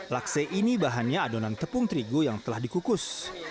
lakse ini bahannya adonan tepung terigu yang telah dikukus